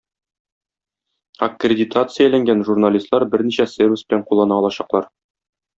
Аккредитацияләнгән журналистлар берничә сервис белән куллана алачаклар.